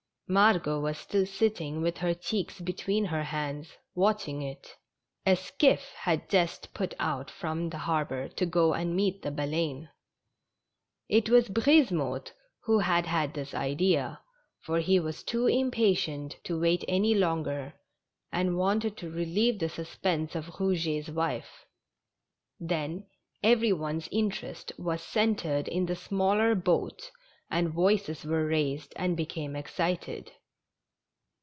Margot was still sitting with her cheeks between her hands, watching it, A skiff had just put out from the harbor to go and meet the Baleine, It was Brisemotte who had had this idea, for he was too impatient to wait any longer, and wanted to relieve the suspense of Eou get's wife. Then every one's interest was centred in the smaller boat, and voices were raised and became excited.